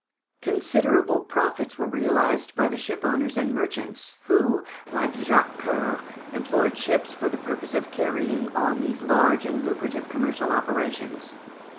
Considerable profits were realised by the shipowners and merchants, who, like Jacques Coeur, employed ships for the purpose of carrying on these large and lucrative commercial operations.